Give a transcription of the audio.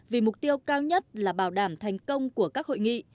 vì mục tiêu cao nhất là bảo đảm thành công của các hội nghị